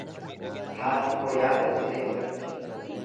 Haati koo yaada dirree irratti.